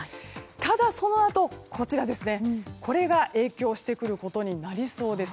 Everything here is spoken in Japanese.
ただ、そのあとこれが影響してくることになりそうです。